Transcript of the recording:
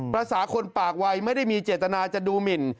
ภาษาคนปากวัยไม่ได้มีเจตนาจะดูหมิน